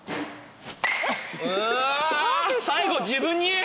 うわ最後自分に？